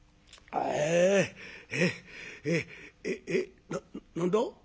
なっ何だ？